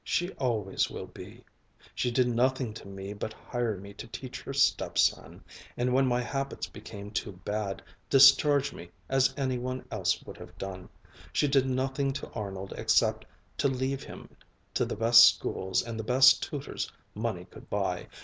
She always will be. She did nothing to me but hire me to teach her stepson, and when my habits became too bad, discharge me, as any one would have done. She did nothing to Arnold except to leave him to the best schools and the best tutors money could buy.